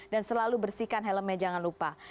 dan selalu bersihkan helmnya jangan lupa